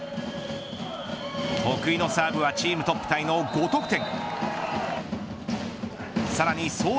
得意のサーブはチームトップタイの５得点。